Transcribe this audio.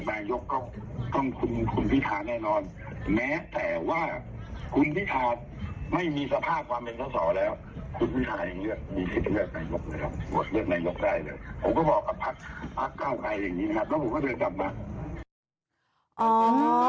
ผมก็บอกกับพัก๙ไทยอย่างนี้นะครับแล้วผมก็เลยกลับมา